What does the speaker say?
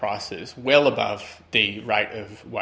di atas jangkaan peningkatan wajah